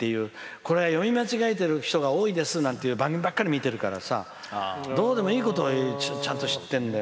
これは読み間違えてる人が多いですなんていう番組ばっかり見てるからどうでもいいことちゃんと知ってるんだよ。